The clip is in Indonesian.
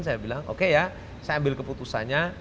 saya bilang oke ya saya ambil keputusannya